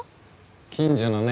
近所のね